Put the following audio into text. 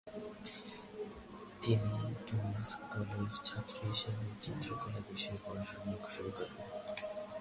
তিনি টমাস কোলের ছাত্র হিসাবে চিত্রকলা বিষয়ে পড়াশুনা শুরু করেন।